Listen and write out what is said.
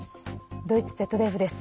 ドイツＺＤＦです。